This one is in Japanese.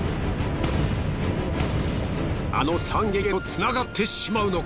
あの惨劇へとつながってしまうのか？